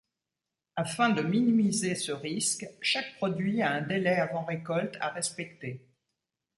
Afin de minimiser ce risque, chaque produit a un délai avant récolte à respecter.